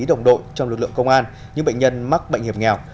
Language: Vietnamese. đồng đội trong lực lượng công an những bệnh nhân mắc bệnh hiểm nghèo